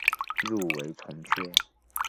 入围从缺。